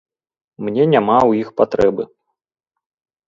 Мне няма ў іх патрэбы.